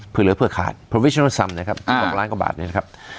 เผื่อเหลือเผื่อขาดเนี้ยครับอ่าหกล้านกว่าบาทเนี้ยนะครับ